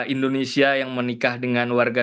indonesia yang menikah dengan warga